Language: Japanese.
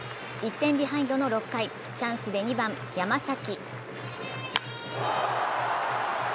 １点ビハインドの６回チャンスで２番・山崎。